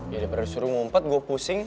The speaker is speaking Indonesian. daripada disuruh ngumpet gue pusing